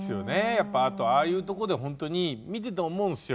やっぱあとああいうとこでほんとに見てて思うんすよ